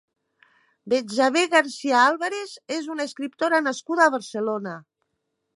Betsabé García Álvarez és una escriptora nascuda a Barcelona.